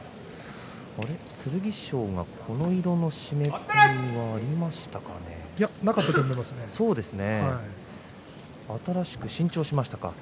剣翔がこの色の締め込みがありましたかね。